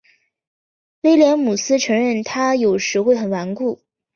威廉姆斯承认他有时会很顽固。